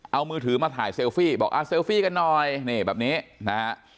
เอามือถือมาถ่ายเซลฟี่บอกอ่ะเซลฟี่กันหน่อยนี่แบบนี้นะฮะ